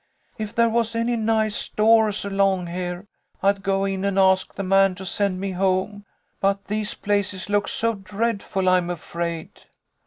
If there was any nice stores along here, I'd go in and ask the man to send me home, but these places look so dreadful I'm afraid."